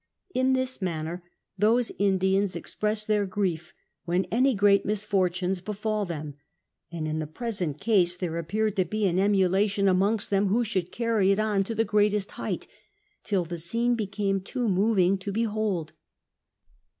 In this manner those Indians express their grief when any gi*eat misfortunes befall them ; and in the present case there a])pearcd to be an emulation amongst them who should carry it on to the greatest lieiglit, till the scene became too moving to he beheld.